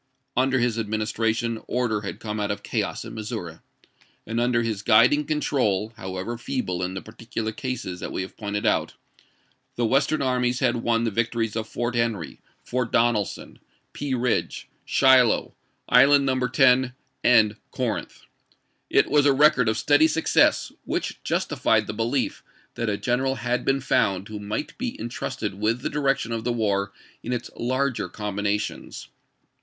Under his administration order had come out of chaos in Missouri, and under his guiding control, however feeble in the particular cases that we have pointed out, the Western armies had won the victories of Fort Henry, Fort Donelson, Pea Ridge, Shiloh, Island No. 10, and Corinth. It was a record of steady success, which justified the belief that a general had been found who might be in trusted with the direction of the war in its larger combinations.